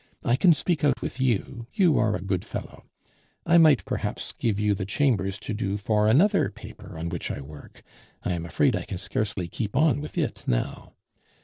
I can speak out with you; you are a good fellow. I might, perhaps, give you the Chambers to do for another paper on which I work; I am afraid I can scarcely keep on with it now.